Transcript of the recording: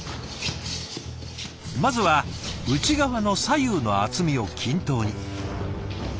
まずは内側の左右の厚みを均等に。